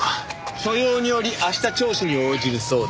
所用により明日聴取に応じるそうです。